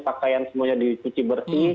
kita pakaian semuanya dicuci bersih kita mandi